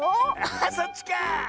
あそっちか！